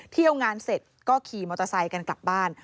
เที่ยวงานเสร็จก็ขี่มอเตอร์ไซค์กันกลับบ้าน